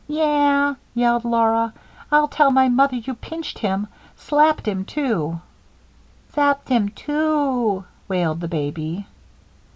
"Yah!" yelled Laura, "I'll tell my mother you pinched him slapped him, too." "Sapped him, too," wailed the baby.